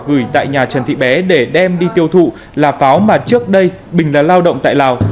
gửi tại nhà trần thị bé để đem đi tiêu thụ là pháo mà trước đây bình là lao động tại lào